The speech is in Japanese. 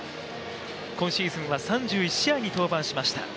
今シーズンは３１試合に登板しました。